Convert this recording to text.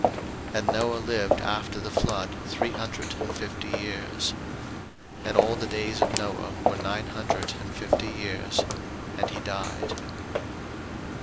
01:009:028 And Noah lived after the flood three hundred and fifty years. 01:009:029 And all the days of Noah were nine hundred and fifty years: and he died.